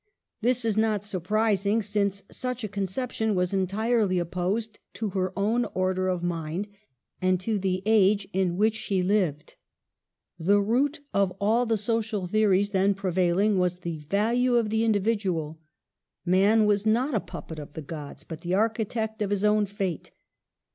This is not surprising, since such a conception was entirely opposed to. her own order of mind and to the age in which she lived. The root of all the social theories then prevailing was the value of the individual. Man was not a puppet of the gods, but the architect of his own fate.